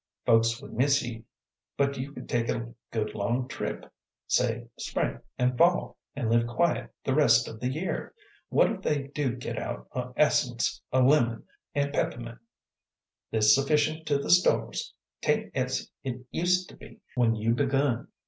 "Folks would miss ye, but you could take a good long trip, say spring an' fall, an' live quiet the rest of the year. What if they do git out o' essence o' lemon an' pep'mint! There's sufficient to the stores; 't ain't as 't used to be when you begun."